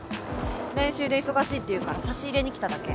練習で忙しいっていうから差し入れに来ただけ。